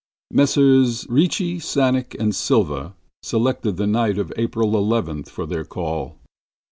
Messrs. Ricci, Czanek and Silva selected the night of April eleventh for their call.